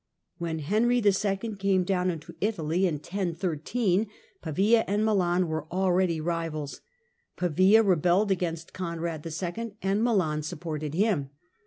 When Henry II. came down into Italy in 1013 (see p. 27) Pavia and Milan were already rivals. Pavia rebelled against Conrad II. (see p. 29) and Milan supported him.